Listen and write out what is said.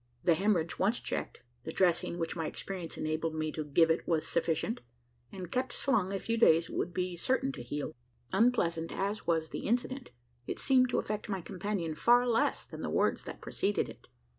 The haemorrhage once checked, the dressing which my experience enabled me to give it was sufficient; and kept slung a few days it would be certain to heal. Unpleasant as was the incident, it seemed to affect my companion far less than the words that preceded it.